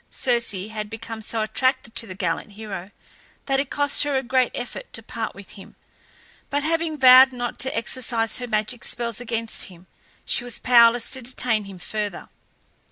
Circe had become so attached to the gallant hero that it cost her a great effort to part with him, but having vowed not to exercise her magic spells against him she was powerless to detain him further.